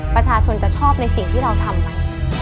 ประชาชนจะชอบในสิ่งที่เราทำไป